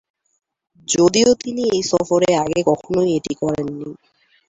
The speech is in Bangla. যদিও তিনি এই সফরে আগে কখনোই এটি করেননি।